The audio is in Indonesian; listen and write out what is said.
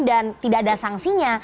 dan tidak ada sanksinya